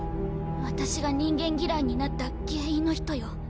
私が人間嫌いになった原因の人よ。